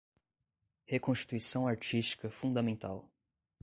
Reconstituição artística fundamental